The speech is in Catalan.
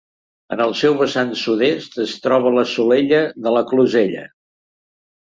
En el seu vessant sud-est es troba la Solella de la Closella.